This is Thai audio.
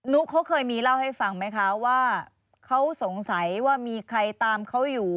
ุ๊กเขาเคยมีเล่าให้ฟังไหมคะว่าเขาสงสัยว่ามีใครตามเขาอยู่